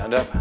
iya ada apa